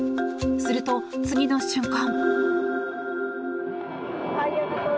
すると、次の瞬間。